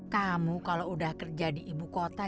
kamu kalau udah kerja di ibu kota